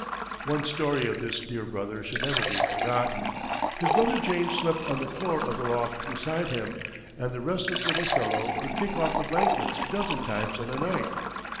One story of this dear brother should never be forgotten. His brother James slept on the floor of the loft beside him, and the restless little fellow would kick off the blankets a dozen times in a night.